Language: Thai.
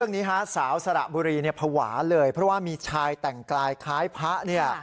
นี้ฮะสาวสระบุรีเนี่ยภาวะเลยเพราะว่ามีชายแต่งกายคล้ายพระเนี่ย